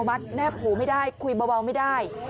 แบบแนบหุ้วไม่ได้คุยเบาไม่ได้